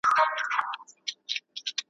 نه چا د پیر بابا له قبر سره ,